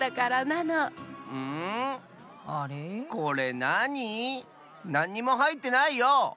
なんにもはいってないよ！